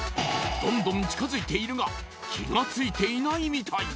どんどん近づいているが気がついていないみたい